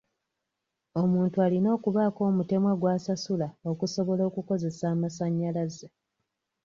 Omuntu alina okubaako omutemwa gw'asasula okusobola okukozesa amasanyalaze.